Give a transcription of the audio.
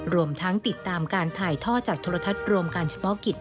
รวมทั้งติดตามการถ่ายท่อจากโทรทัศน์รวมการเฉพาะกิจ